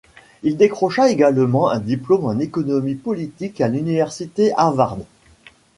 Il décrocha également un diplôme en économie politique à l'Université Harvard.